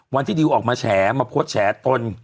วันที่ดิวออกมาแฉมาโพสต์แฉตน